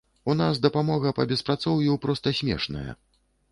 У нас дапамога па беспрацоўю проста смешная.